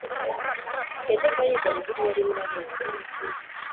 Yajyaga yiga Bibiliya rimwe na rimwe